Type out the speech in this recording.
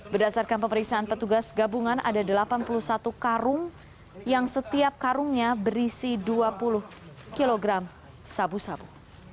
berdasarkan pemeriksaan petugas gabungan ada delapan puluh satu karung yang setiap karungnya berisi dua puluh kg sabu sabu